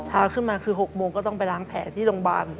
เช้าขึ้นมาคือ๖โมงก็ต้องไปล้างแผลที่โรงพยาบาล